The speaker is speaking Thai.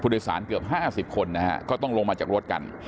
โดยสารเกือบ๕๐คนนะฮะก็ต้องลงมาจากรถกัน